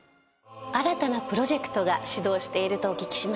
新たなプロジェクトが始動しているとお聞きましたが。